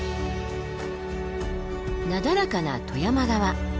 なだらかな富山側。